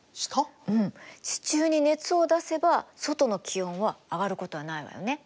うん地中に熱を出せば外の気温は上がることはないわよね。